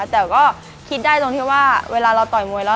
แต่ก็คิดได้ตรงที่ว่าเวลาเราต่อยมวยแล้ว